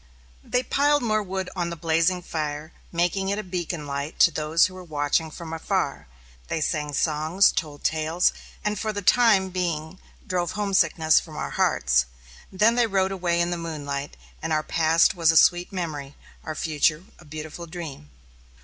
They piled more wood on the blazing fire, making it a beacon light to those who were watching from afar; they sang songs, told tales, and for the time being drove homesickness from our hearts. Then they rode away in the moonlight, and our past was a sweet memory, our future a beautiful dream.